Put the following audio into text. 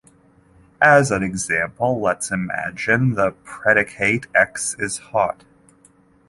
As an example, let's imagine the predicate, "x is hot".